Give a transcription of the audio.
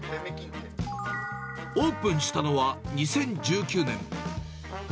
オープンしたのは２０１９年。